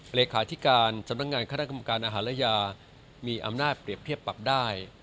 บริการศัพท์การคคอรรยมีอำนาจเปรียบเทียบปรับได้